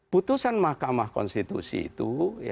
putusan mahkamah konstitusi itu